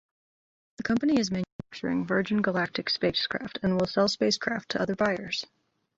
The company is manufacturing Virgin Galactic's spacecraft and will sell spacecraft to other buyers.